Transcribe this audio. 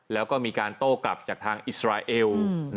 แล้วก็มีการโต้กลับจากทางอิสราเอล